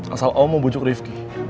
asal om mau bujuk riefki